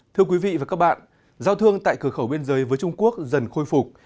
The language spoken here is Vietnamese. thưa quý vị và các bạn giao thương tại cửa khẩu biên giới với trung quốc dần khôi phục